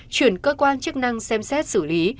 chuyển cơ quan chức năng xem xét xử lý